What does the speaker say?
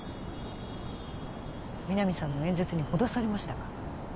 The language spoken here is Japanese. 皆実さんの演説にほだされましたか？